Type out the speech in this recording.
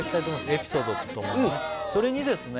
エピソードとともにねうんそれにですね